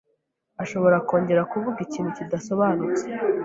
Ashobora kongera kuvuga ikintu kidasobanutse.